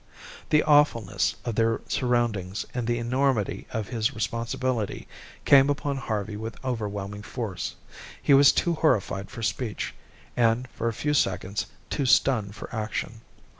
The awfulness of their surroundings and the enormity of his responsibility, came upon Harvey with overwhelming force. He was too horrified for speech, and, for a few seconds, too stunned for action.